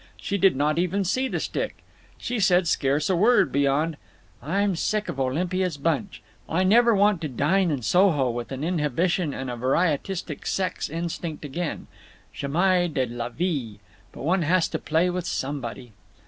She did not even see the stick. She said scarce a word beyond: "I'm sick of Olympia's bunch—I never want to dine in Soho with an inhibition and a varietistic sex instinct again—jamais de la vie. But one has to play with somebody."